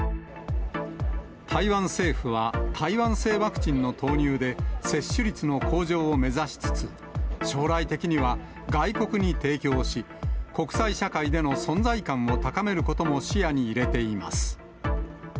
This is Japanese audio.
台湾政府は、台湾製ワクチンの投入で、接種率の向上を目指しつつ、将来的には外国に提供し、国際社会での存在感を高めることも視野に入れています。